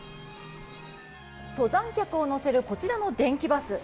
登山客を乗せるこちらの電気バス。